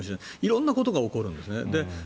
色んなことが起こるんですね。